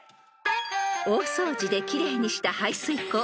［大掃除で奇麗にした排水口］